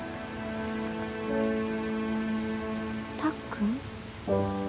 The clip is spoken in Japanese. たっくん？